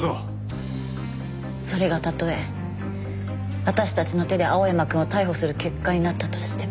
それがたとえ私たちの手で青山くんを逮捕する結果になったとしても。